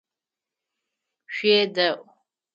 ШъуедэIу!